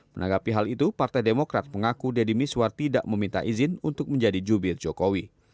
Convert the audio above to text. menanggapi hal itu partai demokrat mengaku deddy miswar tidak meminta izin untuk menjadi jubir jokowi